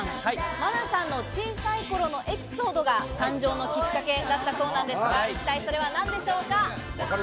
愛奈さんの小さい頃のエピソードが誕生のきっかけだったそうなんですが、一体それは何でしょうか？